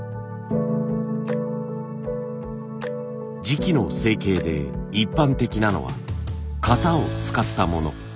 磁器の成形で一般的なのは型を使ったもの。